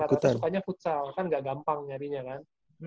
karena sukanya futsal kan gak gampang nyarinya kan